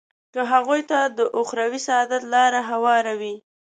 که هغوی ته د اخروي سعادت لاره هواروي.